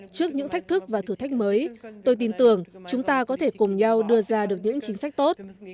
trước những thách thức và thử thách mới tôi tin tưởng chúng ta có thể cùng nhau đưa ra được những chính sách tốt